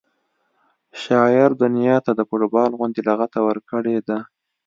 شاعر دنیا ته د فټبال غوندې لغته ورکړې ده